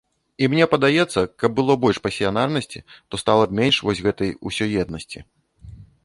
І мне падаецца, каб было больш пасіянарнасці, то стала б менш вось гэтай усёеднасці.